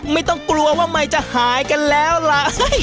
ไม่ต้องกลัวว่ามันจะหายกันแล้วล่ะ